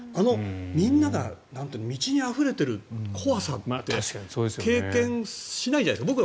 みんなが道にあふれてる怖さって経験しないじゃないですか。